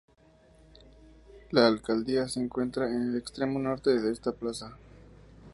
La Alcaldía se encuentra en el extremo norte de esta plaza.